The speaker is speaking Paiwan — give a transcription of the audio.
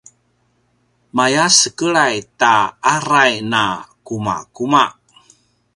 maya sekelay ta aray na kumakuma